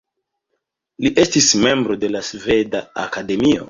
Li estis membro de la Sveda Akademio.